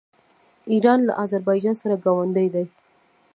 ایران له اذربایجان سره ګاونډی دی.